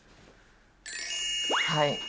はい。